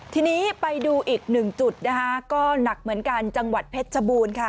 ทีนี้ไปดูอีกหนึ่งจุดนะคะก็หนักเหมือนกันจังหวัดเพชรชบูรณ์ค่ะ